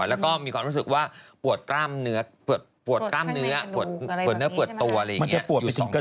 แล้วก็มีความรู้สึกว่าปวดกล้ามเนื้อปวดกล้ามเนื้อปวดเนื้อปวดตัวอะไรอย่างนี้